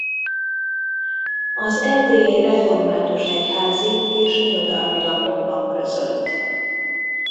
Az erdélyi református egyházi és irodalmi lapokban közölt.